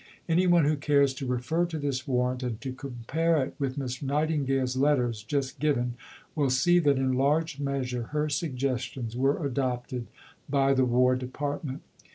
Any one who cares to refer to this Warrant, and to compare it with Miss Nightingale's letters just given, will see that in large measure her suggestions were adopted by the War Department.